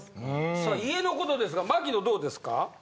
さあ家のことですが槙野どうですか？